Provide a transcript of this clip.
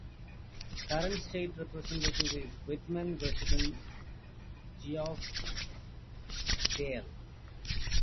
Current State Representative is Whitman resident Geoff Diehl.